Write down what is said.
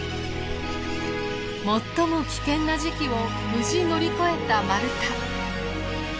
最も危険な時期を無事乗り越えたマルタ。